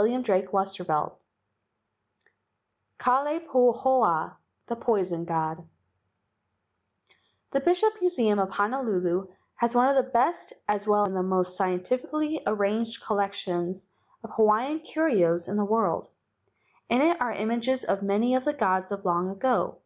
io8 LEGENDS OF GHOSTS XIV KALAI PAHOA, THE POISON GOD Bishop Museum of Honolulu has one of the best as well as one of the most scientifically arranged collections of Hawaiian curios in the world. In it are images of many of the gods of long ago.